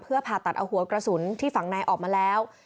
ผ่าตัดเอาหัวกระสุนที่ฝั่งในออกมาแล้ว